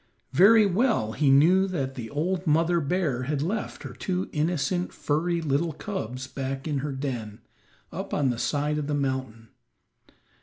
Very well he knew that the old mother bear had left her two innocent, furry little cubs back in her den, up on the side of the mountain.